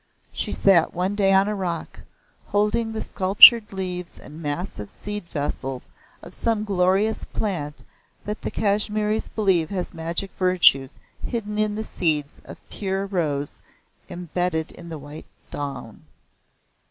She sat one day on a rock, holding the sculptured leaves and massive seed vessels of some glorious plant that the Kashmiris believe has magic virtues hidden in the seeds of pure rose embedded in the white down.